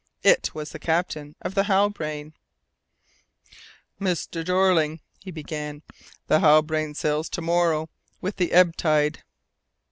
It was the captain of the Halbrane. "Mr. Jeorling," he began, "the Halbrane sails to morrow morning, with the ebb tide."